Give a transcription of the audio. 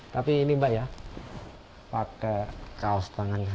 tapi ini mbak ya pakai kaos tangannya